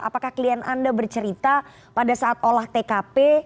apakah klien anda bercerita pada saat olah tkp